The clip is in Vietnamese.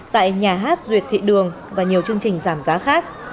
tại nhà hát duyệt thị đường và nhiều chương trình giảm giá khác